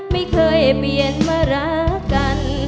ไม่เคยเปลี่ยนมารักกัน